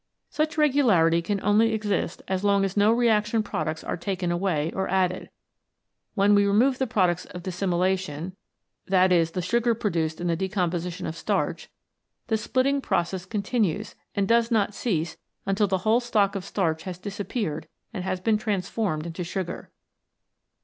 Such regularity can only exist as long as no reaction products are taken away or added. When we remove the products of dissimilation, e.g. the sugar produced in the decomposition of starch, the splitting process continues and does not cease unti\ the whole stock of starch has disappeared and has been transformed into sugar.